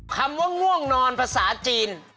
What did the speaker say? คำว่าง่วงนอนภาษาจีน